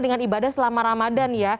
dengan ibadah selama ramadhan